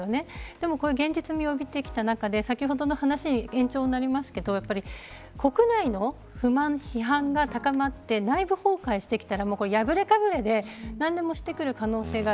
でも、これ現実味を帯びてきた中で先ほどの話の延長になりますけど国内の不満や批判が高まって内部崩壊してきたら破れかぶれで何でもしてくる可能性が。